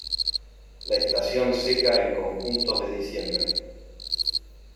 La estación seca en conjuntos de diciembre.